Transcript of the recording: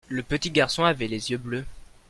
le petit garçon avait les yeux bleus.